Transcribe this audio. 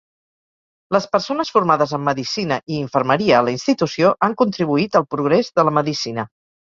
Les persones formades en Medicina i Infermeria a la institució han contribuït al progrés de la Medicina.